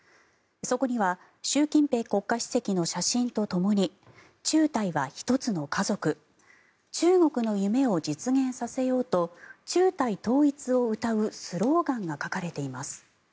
そこには習近平国家主席の写真とともに中台は一つの家族中国の夢を実現させようと中台統一をうたうスローガンが書かれています。